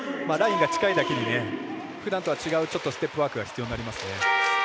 ラインが近いのでふだんとは違うステップワークが必要になりますね。